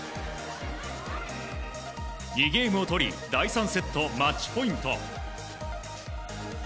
２ゲームを取り第３セット、マッチポイント。